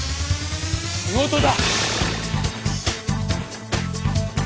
仕事だ！